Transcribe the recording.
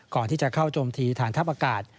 ก่อนที่จะเข้าโจมตีฐานทัพอากาศ